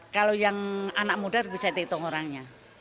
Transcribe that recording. kalau yang anak muda bisa dihitung orangnya